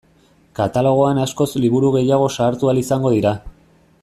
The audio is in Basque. Katalogoan askoz liburu gehiago sartu ahal izango dira.